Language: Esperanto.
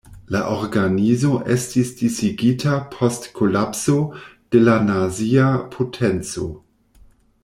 La organizo estis disigita post kolapso de la nazia potenco.